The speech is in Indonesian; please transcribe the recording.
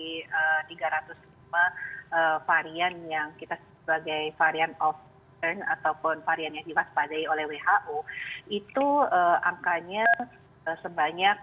tapi kalau kita lihat varian yang kita sebagai varian of tren ataupun varian yang diwaspadai oleh who itu angkanya sebanyak dua ratus empat puluh lima